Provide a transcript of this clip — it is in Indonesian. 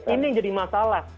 ini yang jadi masalah